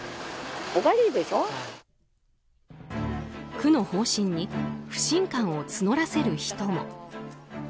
区の方針に不信感を募らせる人も。